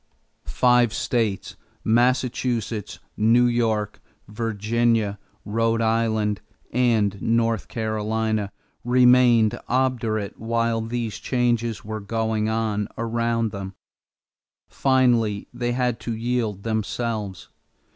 Five states, Massachusetts, New York, Virginia, Rhode Island, and North Carolina, remained obdurate while these changes were going on around them; finally they had to yield themselves.